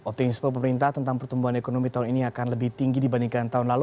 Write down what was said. optimisme pemerintah tentang pertumbuhan ekonomi tahun ini akan lebih tinggi dibandingkan tahun lalu